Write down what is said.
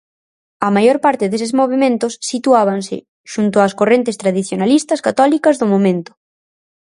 A maior parte deses movementos situábanse xunto ás correntes tradicionalistas católicas do momento.